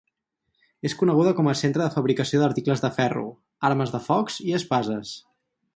És coneguda com a centre de fabricació d'articles de ferro, armes de focs i espases.